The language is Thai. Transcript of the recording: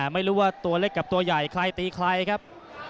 ไม่รู้ว่าตัวเล็กกับตัวใหญ่ใครตีใครครับ